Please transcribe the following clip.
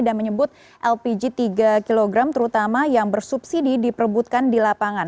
dan menyebut lpg tiga kg terutama yang bersubsidi diperbutkan di lapangan